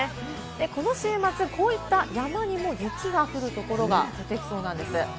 この週末、こういった山にも雪が降るところが出てきそうなんです。